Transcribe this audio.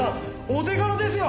お手柄ですよ！